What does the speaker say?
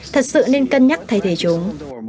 thật sự nên cân nhắc thay thế chúng